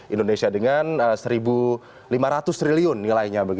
indonesia dengan rp satu lima ratus triliun nilainya